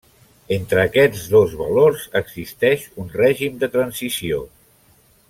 Entre aquests dos valor existeix un règim de transició.